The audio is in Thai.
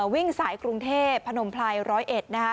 วิ่งสายกรุงเทพพนมไพร๑๐๑นะคะ